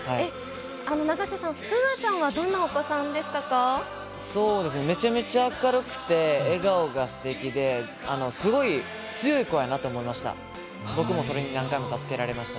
永瀬さん、楓空ちゃんはどんそうですね、めちゃめちゃ明るくて、笑顔がすてきで、すごい強い子やなと思いました。